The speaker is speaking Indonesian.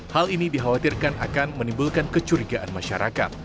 hal ini dikhawatirkan akan menimbulkan kecurigaan masyarakat